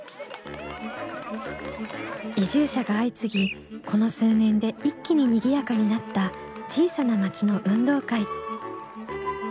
移住者が相次ぎこの数年で一気ににぎやかになった小さな町の運動会。